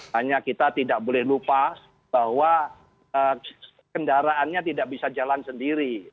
hanya kita tidak boleh lupa bahwa kendaraannya tidak bisa jalan sendiri